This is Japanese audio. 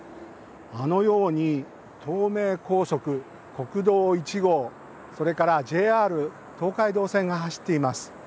あのように東名高速国道１号それからＪＲ東海道線が走っています。